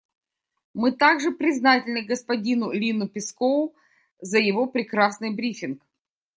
Мы также признательны господину Линну Пэскоу за его прекрасный брифинг.